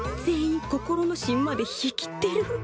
全員心のしんまで冷えきってる。